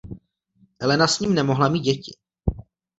Elena s ním nemohla mít děti.